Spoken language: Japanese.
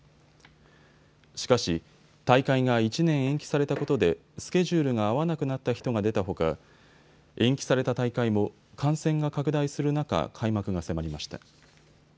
しかし大会が１年延期されたことでスケジュールが合わなくなった人が出たほか延期された大会も感染が拡大する中、開幕が迫りました。